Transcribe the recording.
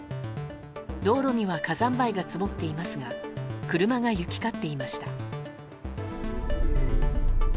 道路には火山灰が積もっていますが車が行き交っていました。